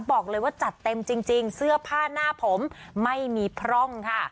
บอกเลยว่าจัดเต็มจริงเสื้อผ้าหน้าผมไม่มีพร่องค่ะ